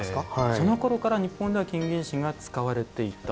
そのころから日本では金銀糸が使われていた。